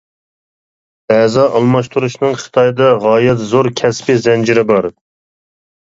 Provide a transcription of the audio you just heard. ئەزا ئالماشتۇرۇشنىڭ خىتايدا غايەت زور كەسپىي زەنجىرى بار.